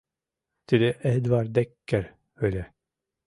Тиде Эдвард Деккер ыле.